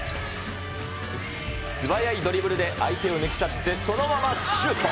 素早いドリブルで相手を抜き去ってそのままシュート。